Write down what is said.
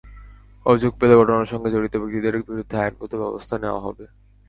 অভিযোগ পেলে ঘটনার সঙ্গে জড়িত ব্যক্তিদের বিরুদ্ধে আইনগত ব্যবস্থা নেওয়া হবে।